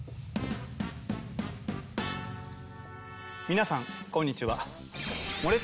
皆さんこんにちは。